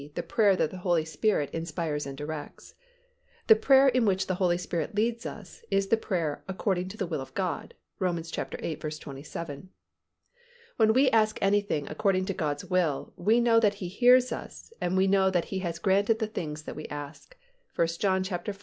_, the prayer that the Holy Spirit inspires and directs). The prayer in which the Holy Spirit leads us is the prayer "according to the will of God" (Rom. viii. 27). When we ask anything according to God's will, we know that He hears us and we know that He has granted the things that we ask (1 John v.